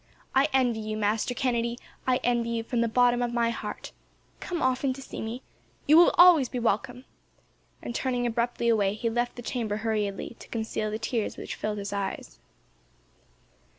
"I envy you, Master Kennedy. I envy you, from the bottom of my heart! Come often to see me. You will always be welcome;" and, turning abruptly away, he left the chamber hurriedly, to conceal the tears which filled his eyes.